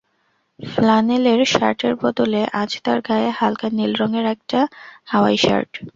ফ্লানেলের শার্টের বদলে আজ তার গায়ে হালকা নীল রঙের একটা হাওয়াই শার্ট।